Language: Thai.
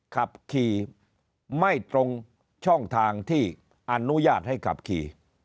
ขับขี่ไม่ตรงช่องทางที่อนุญาตให้ขับขี่